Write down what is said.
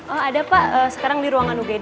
oh ada pak sekarang di ruangan ugd